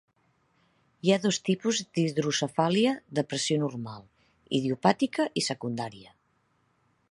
Hi ha dos tipus d'hidrocefàlia de pressió normal: idiopàtica i secundària.